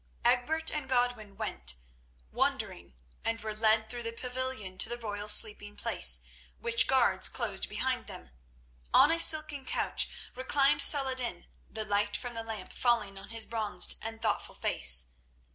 Egbert and Godwin went, wondering, and were led through the pavilion to the royal sleeping place, which guards closed behind them. On a silken couch reclined Saladin, the light from the lamp falling on his bronzed and thoughtful face.